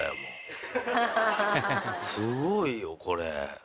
すごいよこれ。